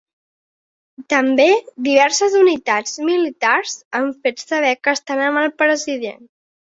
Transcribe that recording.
També diverses unitats militars han fet saber que estan amb el president.